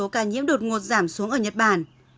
các nhiễm đột ngột giảm xuống ở nhật bản